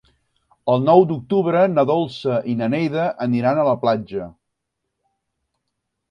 El nou d'octubre na Dolça i na Neida aniran a la platja.